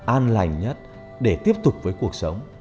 an lành nhất để tiếp tục với cuộc sống